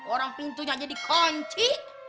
orang pintunya jadi konci